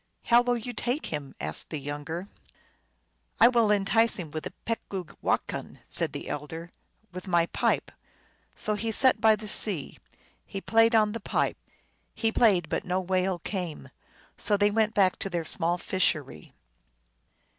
" How will you take him ?" asked the younger. " I will entice him with the pecpoogwokan" said the elder, " with my pipe." So he sat by the sea ; he played on 362 THE ALGONQUIN LEGENDS. the pipe; he played, but no whale came. So they went back to their small fishery.